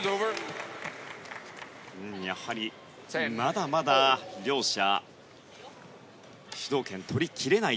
やはり、まだまだ両者、主導権をとりきれない。